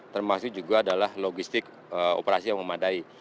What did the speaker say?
termasuk juga adalah logistik operasi yang memadai